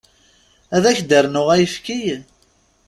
Ad ak-d-rnuɣ ayefki?